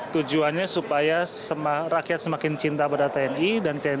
tujuannya supaya rakyat semakin cinta pada tni dan tni juga semakin cinta pada tni